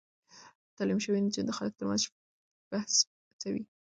تعليم شوې نجونې د خلکو ترمنځ شفاف بحث هڅوي.